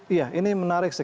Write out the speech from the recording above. iya ini menarik sih